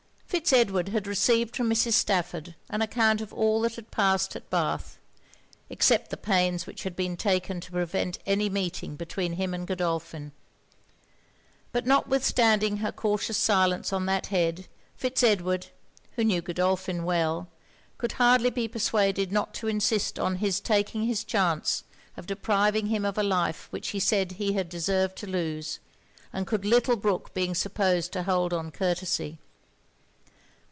Fitz Edward had received from Mrs. Stafford an account of all that had passed at Bath, except the pains which had been taken to prevent any meeting between him and Godolphin. But notwithstanding her cautious silence on that head, Fitz Edward, who knew Godolphin well, could hardly be persuaded not to insist on his taking his chance of depriving him of a life which he said he had deserved to lose, and could little brook being supposed to hold on courtesy.